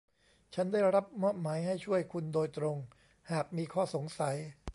ฉันได้รับมอบหมายให้ช่วยคุณโดยตรงหากมีข้อสงสัย